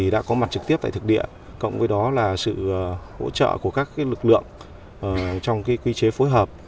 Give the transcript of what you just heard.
đã có mặt trực tiếp tại thực địa cộng với đó là sự hỗ trợ của các lực lượng trong quy chế phối hợp